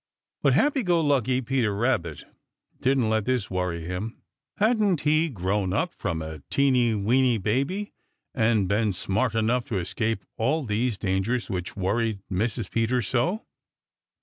But happy go lucky Peter Rabbit didn't let this worry him. Hadn't he grown up from a teeny weeny baby and been smart enough to escape all these dangers which worried Mrs. Peter so?